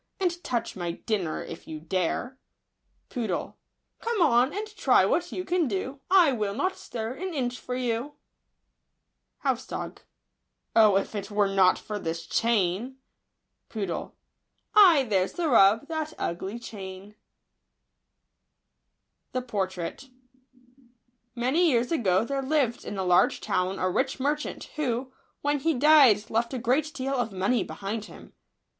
And touch my dinner if you dare ! Poodle . Come on, and try what you can do ; I will not stir an inch for you. House dog . Oh, if it were not for this chain 1 Poodle. Ay, there's the rub — that ugly chain l am* 3km JO n i iM aiam ni *£aua*. .JP. ®|je portrait. ANY years ago there lived in a large town a rich merchant, who, when he died, left a great deal of money behind him.